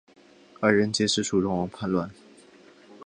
二人劫持楚庄王叛乱。